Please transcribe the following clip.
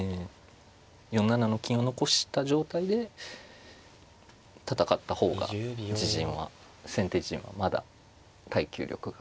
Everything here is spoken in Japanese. ４七の金を残した状態で戦った方が自陣は先手陣はまだ耐久力があるので。